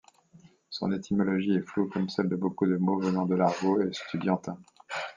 Son étymologie est floue, comme celle de beaucoup de mots venant de l'argot estudiantin.